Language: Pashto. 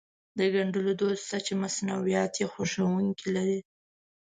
د ګنډلو دود شته چې مصنوعات يې خوښوونکي لري.